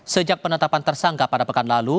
sejak penetapan tersangka pada pekan lalu